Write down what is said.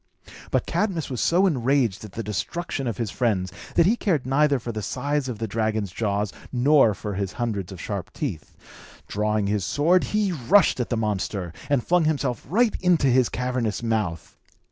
But Cadmus was so enraged at the destruction of his friends, that he cared neither for the size of the dragon's jaws nor for his hundreds of sharp teeth. Drawing his sword, he rushed at the monster, and flung himself right into his cavernous mouth.